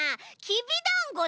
きびだんご！？